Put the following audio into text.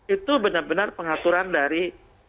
itu benar benar pengaturan dari